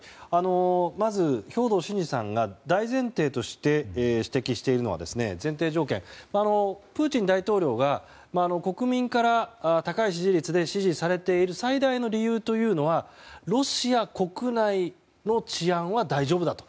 まず兵頭慎治さんが大前提として指摘しているのは前提条件プーチン大統領が国民から高い支持率で支持されている最大の理由というのはロシア国内の治安は大丈夫だと。